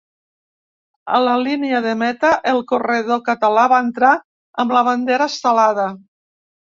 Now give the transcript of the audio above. A la línia de meta, el corredor català va entrar amb la bandera estelada.